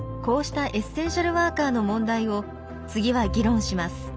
こうしたエッセンシャルワーカーの問題を次は議論します。